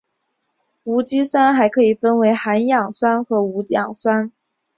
无机酸还可以分成含氧酸和无氧酸。